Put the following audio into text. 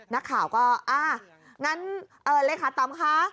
นักข่าวก็อ่างั้นเลขาตอมคะ